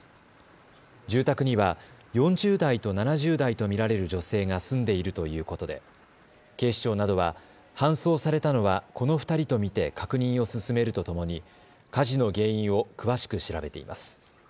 住宅には４０代と７０代と見られる女性が住んでいるということで警視庁などは搬送されたのはこの２人と見て確認を進めるとともに火事の原因を詳しく調べています。